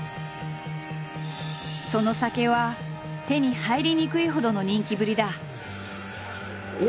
その酒は手に入りにくいほどの人気ぶりだ。